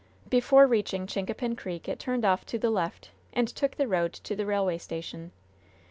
Before reaching Chincapin Creek it turned off to the left and took the road to the railway station.